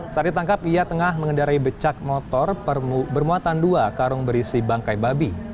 saat ditangkap ia tengah mengendarai becak motor bermuatan dua karung berisi bangkai babi